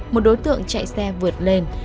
một đối tượng chạy xe vượt lên